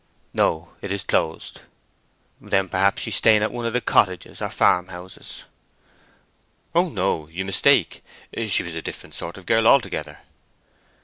"No; it is closed." "Then perhaps she is staying at one of the cottages, or farmhouses?" "Oh no—you mistake. She was a different sort of girl altogether."